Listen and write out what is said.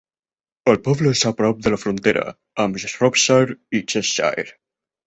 El poble és a prop de la frontera amb Shropshire i Cheshire.